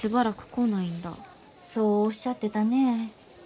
そうおっしゃってたねえ。